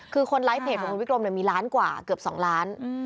คือคนไลฟ์เพจของคุณวิกรมมีล้านกว่าเกือบ๒ล้าน